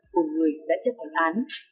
cùng người đã chấp hành án